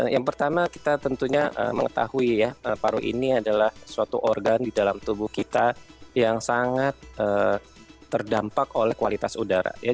yang pertama kita tentunya mengetahui ya paru ini adalah suatu organ di dalam tubuh kita yang sangat terdampak oleh kualitas udara